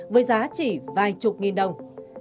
với giá chỉ vài chục nghìn đồng